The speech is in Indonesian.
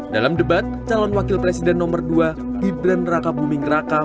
dalam debat calon wakil presiden nomor dua gibran raka buming raka